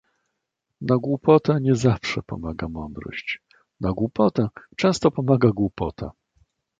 Na głupotę nie zawsze pomaga mądrość. Na głupotę często pomaga głupota.